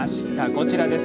こちらです。